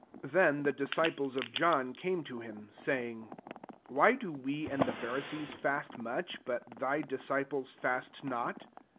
14 Then the disciples of John came to him, saying, " Why do we and the Pharisees fast much, but thy disciples fast not